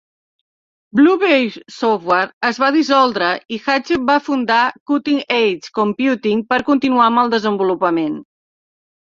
Blue Wave Software es va dissoldre i Hatchew va fundar Cutting Edge Computing per continuar amb el desenvolupament.